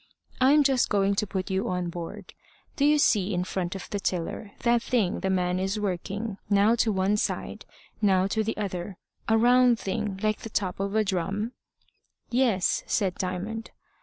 I'm just going to put you on board. Do you see in front of the tiller that thing the man is working, now to one side, now to the other a round thing like the top of a drum?" "Yes," said Diamond.